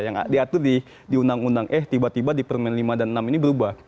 yang diatur di undang undang eh tiba tiba di permen lima dan enam ini berubah